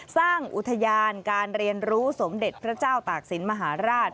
สร้างอุทยานการเรียนรู้สมเด็จพระเจ้าตากศิลป์มหาราช